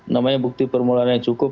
namanya bukti permulaan yang cukup